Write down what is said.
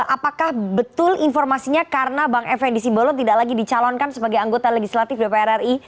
apakah betul informasinya karena bang effendi simbolon tidak lagi dicalonkan sebagai anggota legislatif dpr ri